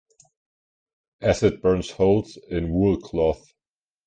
Acid burns holes in wool cloth.